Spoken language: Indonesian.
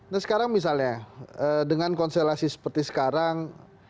nah sekarang misalnya dengan konstelasi seperti sekarang